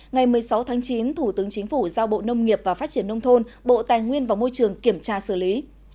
ngày một mươi sáu tháng chín thủ tướng chính phủ giao bộ nông nghiệp và phát triển nông thôn bộ tài nguyên và môi trường kiểm tra xử lý